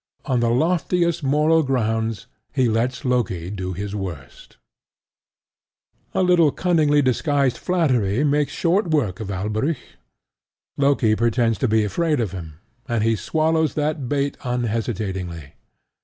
On the loftiest moral grounds, he lets Loki do his worst. A little cunningly disguised flattery makes short work of Alberic. Loki pretends to be afraid of him; and he swallows that bait unhesitatingly.